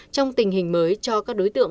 trong tình hình mới cho các đối tượng